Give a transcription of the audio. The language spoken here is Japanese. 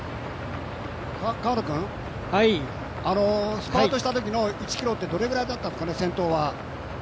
スパートしたときの１ｋｍってどれぐらいだったのかな？